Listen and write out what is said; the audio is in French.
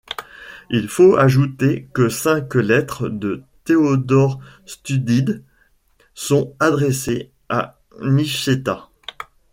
Il faut ajouter que cinq lettres de Théodore Studite sont adressées à Nicétas.